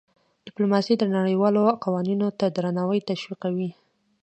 ډيپلوماسي د نړیوالو قوانینو ته درناوی تشویقوي.